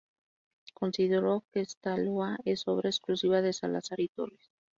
Considero que esta loa es obra exclusiva de Salazar y Torres.